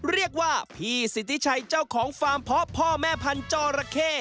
เรียกว่าพี่สิทธิชัยเจ้าของฟาร์มเพาะพ่อแม่พันธุ์จอระเข้